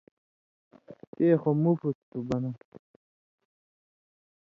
تے خو مفُت تُھو بنہ نا